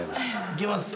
いけます？